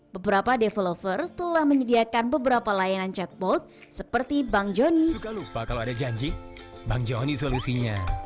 beberapa developer telah menyediakan beberapa layanan chatbot seperti bang johnny